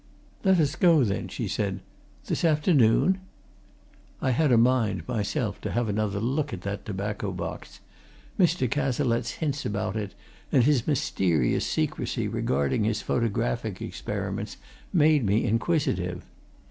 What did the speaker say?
"Let us go, then," she said. "This afternoon?" I had a mind, myself, to have another look at that tobacco box; Mr. Cazalette's hints about it, and his mysterious secrecy regarding his photographic experiments, made me inquisitive.